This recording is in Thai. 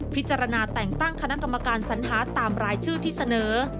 พิจารณาแต่งตั้งคณะกรรมการสัญหาตามรายชื่อที่เสนอ